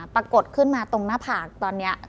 ปรากฏขึ้นมาตรงหน้าผากตอนนี้